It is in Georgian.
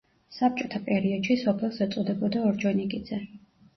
საბჭოთა პერიოდში სოფელს ეწოდებოდა ორჯონიკიძე.